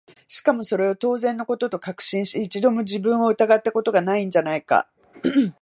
しかもそれを当然の事と確信し、一度も自分を疑った事が無いんじゃないか？